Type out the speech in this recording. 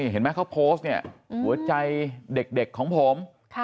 เห็นไหมเขาโพสต์เนี่ยหัวใจเด็กของผม